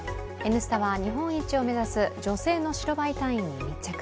「Ｎスタ」は、日本一を目指す女性の白バイ隊員に密着。